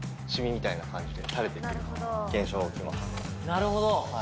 なるほど。